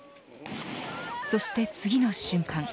そして次の瞬間